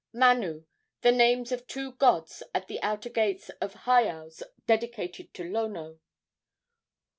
Manu, the names of two gods at the outer gates of heiaus dedicated to Lono.